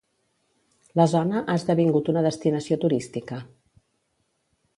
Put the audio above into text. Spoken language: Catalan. La zona ha esdevingut una destinació turística.